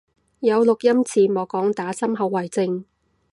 有錄音有字幕，講打針後遺症